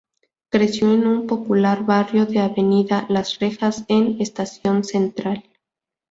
Creció en un popular barrio de Avenida Las Rejas en Estación Central.